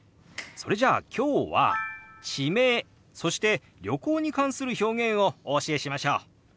それじゃあ今日は地名そして旅行に関する表現をお教えしましょう！